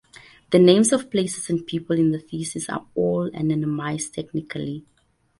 The names of places and people in the thesis are all anonymised technically.